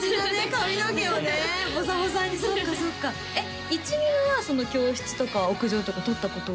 髪の毛をねボサボサにそっかそっかいちみるはその教室とか屋上とか撮ったことは？